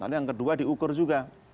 lalu yang kedua diukur juga